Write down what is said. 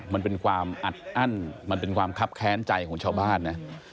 มันเป็นความอัดอั้นมันเป็นความคับแค้นใจของชาวบ้านนะ